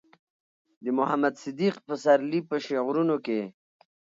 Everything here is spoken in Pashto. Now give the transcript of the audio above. د محمد صديق پسرلي په شعرونو کې